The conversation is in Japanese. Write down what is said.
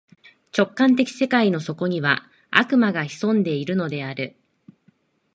直観的世界の底には、悪魔が潜んでいるのである。